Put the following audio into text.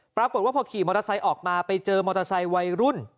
ปรากฏว่าพอขี่มอเตอร์ไซค์ออกมาไปเจอมอเตอร์ไซค์วัยรุ่น